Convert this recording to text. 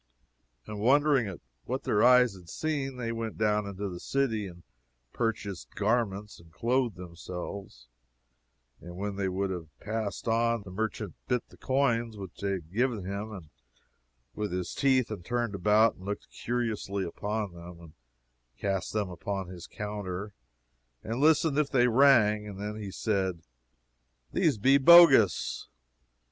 And wondering at what their eyes had seen, they went down into the city and purchased garments and clothed themselves. And when they would have passed on, the merchant bit the coins which they had given him, with his teeth, and turned them about and looked curiously upon them, and cast them upon his counter, and listened if they rang; and then he said, These be bogus.